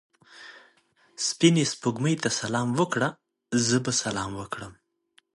سپینې سپوږمۍ ته سلام وکړه؛ زه به سلام کړم.